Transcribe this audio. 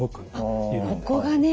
ここがね